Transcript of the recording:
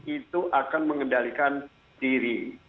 itu akan mengendalikan diri